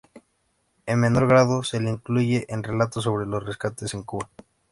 En menor grado, se le incluye en relatos sobre los rescates en Cuba.